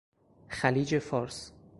خلیج فارس